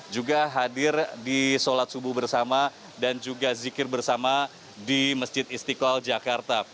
juga hadir di sholat subuh bersama dan juga zikir bersama di masjid istiqlal jakarta